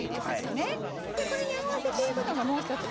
でこれに合わせていくのがもう一つ